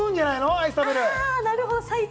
アイス食べる。